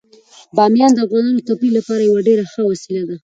بامیان د افغانانو د تفریح لپاره یوه ډیره ښه وسیله ده.